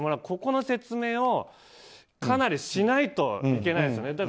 ここの説明をかなりしないといけないですよね。